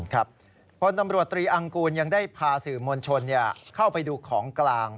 คนตำรวจตรีอังกูลยังได้พาสื่อมวลชนเข้าไปดูของกลาง